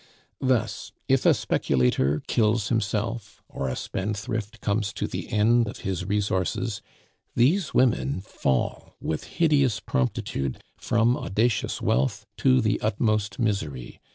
Thus, if a speculator kills himself, or a spendthrift comes to the end of his resources, these women fall with hideous promptitude from audacious wealth to the utmost misery.